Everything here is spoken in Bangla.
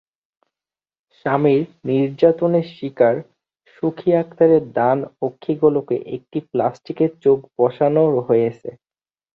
স্বামীর নির্যাতনের শিকার সুখী আক্তারের ডান অক্ষিগোলকে একটি প্লাস্টিকের চোখ বসানো হয়েছে।